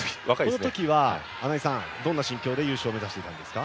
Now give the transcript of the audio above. この時は、どんな心境で優勝を目指していたんですか。